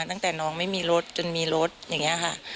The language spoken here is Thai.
ตั้งแต่น้องไม่มีรถจนมีรถอย่างนี้ค่ะ